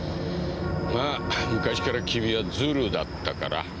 まあ、昔から君はずるだったから。